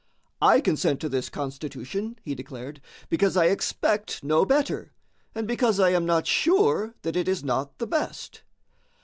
"I consent to this Constitution," he declared, "because I expect no better, and because I am not sure that it is not the best."